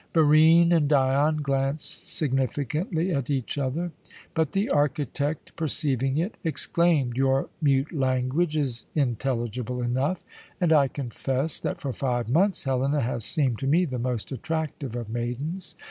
Barine and Dion glanced significantly at each other; but the architect, perceiving it, exclaimed: "Your mute language is intelligible enough, and I confess that for five months Helena has seemed to me the most attractive of maidens.